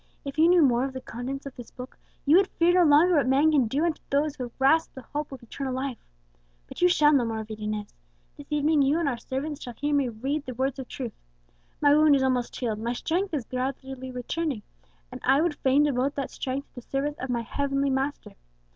"If you knew more of the contents of this Book, you would fear no longer what man can do unto those who have grasped the hope of eternal life. But you shall know more of it, Inez. This evening you and our servants shall hear me read the words of truth. My wound is almost healed, my strength is gradually returning, and I would fain devote that strength to the service of my Heavenly Master.